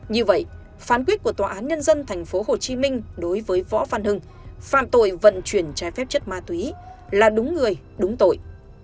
như vậy phán quyết của tòa án nhân dân tp hcm đối với võ văn hưng phạm tội vận chuyển trái phép chất ma túy là đúng người đúng tội